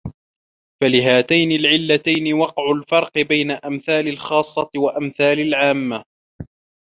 فَلِهَاتَيْنِ الْعِلَّتَيْنِ وَقَعَ الْفَرْقُ بَيْنَ أَمْثَالِ الْخَاصَّةِ وَأَمْثَالِ الْعَامَّةِ